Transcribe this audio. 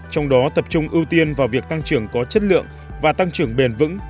trong đó tập trung ưu tiên vào việc tăng trưởng có chất lượng và tăng trưởng bền vững